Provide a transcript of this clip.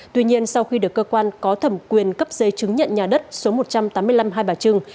tuy nhiên sau khi được cơ quan có thẩm quyền cấp giấy chứng nhận nhà đất số một trăm tám mươi năm hai bà trưng